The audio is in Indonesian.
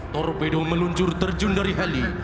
torpedo meluncur terjun dari heli